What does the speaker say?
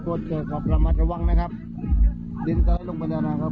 โทษเกิดความประมาทระวังนะครับดินสไลด์ลงไปแล้วนะครับ